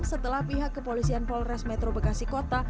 setelah pihak kepolisian polres metro bekasi kota